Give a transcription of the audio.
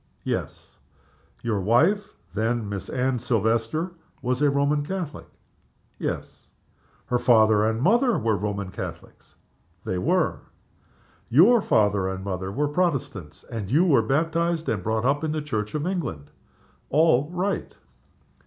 "Yes." "Your wife then Miss Anne Silvester was a Roman Catholic?" "Yes." "Her father and mother were Roman Catholics?" "They were." "Your father and mother were Protestants? and you were baptized and brought up in the Church of England?" "All right!"